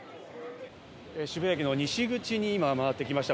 渋谷駅の西口にまわってきました。